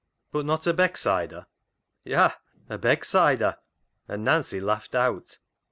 " But not a Becksider ?" "Ya, — a Becksider," and Nancy laughed out.